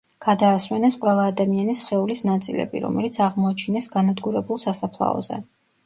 გადაასვენეს ყველა ადამიანის სხეულის ნაწილები, რომელიც აღმოაჩინეს განადგურებულ სასაფლაოზე.